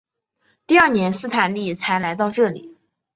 第二年斯坦利才来到这里。